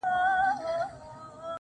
ډير پخوا دا يوه ډيره ښکلې سيمه وه.